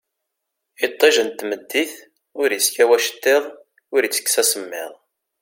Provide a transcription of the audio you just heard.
Itij n tmeddit ur iskaw acettiḍ ur itekkes asemmiḍ